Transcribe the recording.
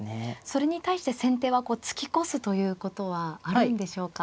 それに対して先手はこう突き越すということはあるんでしょうか。